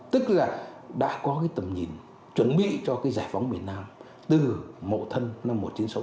tức là đã có tầm nhìn chuẩn bị cho giải phóng miền nam từ mậu thân năm một nghìn chín trăm sáu mươi tám